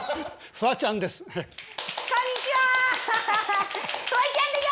フワちゃんだよ！